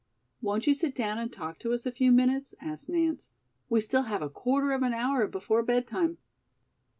"Won't you sit down and talk to us a few minutes?" asked Nance. "We still have a quarter of an hour before bed time."